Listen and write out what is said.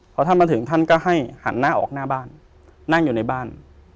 พอท่านมาถึงท่านก็ให้หันหน้าออกหน้าบ้านนั่งอยู่ในบ้าน